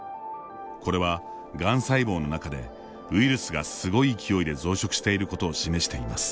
これは、がん細胞の中でウイルスがすごい勢いで増殖していることを示しています。